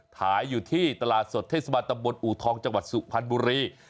ขายอยู่ที่ตลาดสดเทศบาลตำบลอูทองจังหวัดสุพรรณบุรี